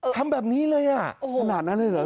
ทำแบบนี้เลยอ่ะขนาดนั้นเลยเหรอ